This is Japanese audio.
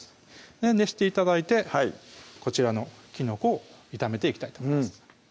熱して頂いてこちらのきのこを炒めていきたいと思います